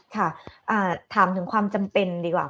ค่ะถามถึงความจำเป็นดีกว่า